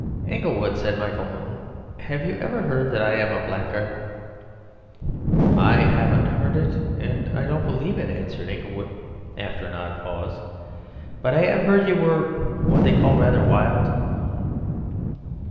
"Inglewood," said Michael Moon, "have you ever heard that I am a blackguard?" "I haven't heard it, and I don't believe it," answered Inglewood, after an odd pause. "But I have heard you were—what they call rather wild."